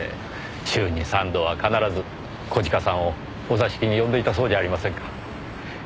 週に３度は必ず小鹿さんをお座敷に呼んでいたそうじゃありませんか。